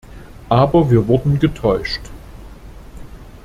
Aber wir wurden getäuscht.